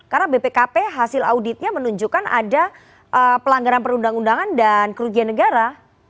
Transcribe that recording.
karena bpkp hasil auditnya menunjukkan ada pelanggaran perundang undangan dan kerugian negara